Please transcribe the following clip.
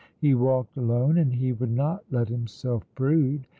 he walked alone, and he would not let himself brood.